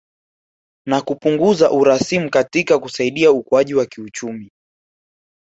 Na kupunguza urasimu katika kusaidia ukuaji wa kiuchumi